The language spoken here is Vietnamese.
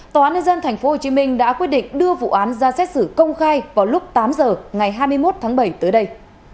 tòa án nhân dân tp hcm đã quyết định đưa vụ án ra xét xử công khai vào lúc tám giờ ngày hai mươi một tháng bảy tới đây